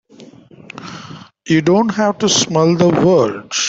You don't have to smell the world!